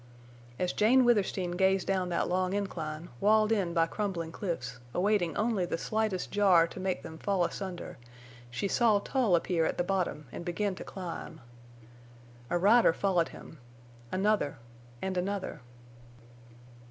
As Jane Withersteen gazed down that long incline, walled in by crumbling cliffs, awaiting only the slightest jar to make them fall asunder, she saw Tull appear at the bottom and begin to climb. A rider followed him—another—and another.